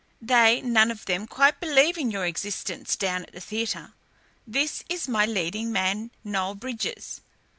"They none of them quite believe in your existence down at the theatre. This is my leading man, Noel Bridges.